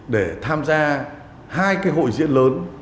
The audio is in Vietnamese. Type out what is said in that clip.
để tham gia hai cái hội diễn lớn